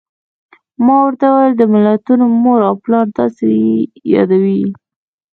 ما ورته وویل: د ملتونو مور او پلار، داسې یې یادوي.